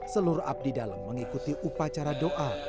seluruh abdi dalam mengikuti upacara doa